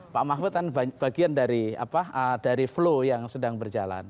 pak mahfud kan bagian dari flow yang sedang berjalan